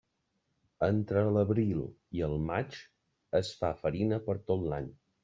Entre l'abril i el maig es fa farina per tot l'any.